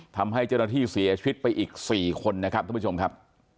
ทำให้เจ้าหน้าที่เสียชีวิตไปอีก๔คนนะครับท่านผู้ชมครับ